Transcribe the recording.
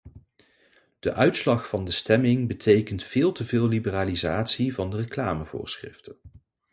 De uitslag van de stemming betekent veel te veel liberalisatie van de reclamevoorschriften.